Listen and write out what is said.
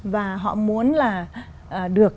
và họ muốn là được